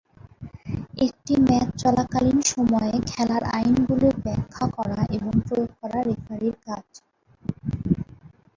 একটি ম্যাচ চলাকালীন সময়ে খেলার আইনগুলি ব্যাখ্যা করা এবং প্রয়োগ করা রেফারির কাজ।